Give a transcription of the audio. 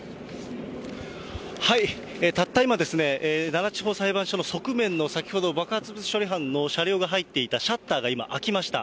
たった今ですね、奈良地方裁判所の側面の先ほど、爆発物処理班の車両が入っていたシャッターが今、開きました。